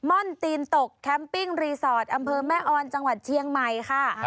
่อนตีนตกแคมปิ้งรีสอร์ทอำเภอแม่ออนจังหวัดเชียงใหม่ค่ะ